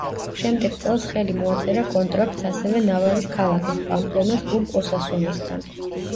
შემდეგ წელს ხელი მოაწერა კონტრაქტს ასევე ნავარის ქალაქის, პამპლონას კლუბ „ოსასუნასთან“.